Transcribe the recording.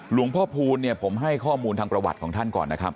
หลวงพ่อพูลเนี่ยผมให้ข้อมูลทางประวัติของท่านก่อนนะครับ